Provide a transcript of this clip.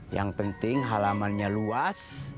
yang penting halamannya luas